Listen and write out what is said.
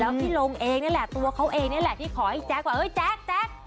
พี่ลงเองนี่แหละตัวเขาเองนี่แหละที่ขอให้แจ๊คว่าเอ้ยแจ๊คแจ๊ก